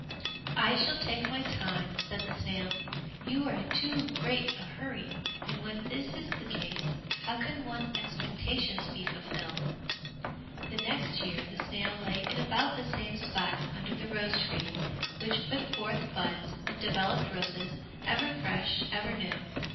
"I shall take my time," said the snail, "you are in too great a hurry, and when this is the case, how can one's expectations be fulfilled?" The next year the snail lay in about the same spot under the rose tree, which put forth buds and developed roses, ever fresh, ever new.